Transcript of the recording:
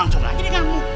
langsung aja deh kamu